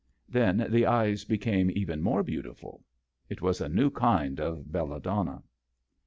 Then the eyes became even more beautiful. It was a new kind of belladonna.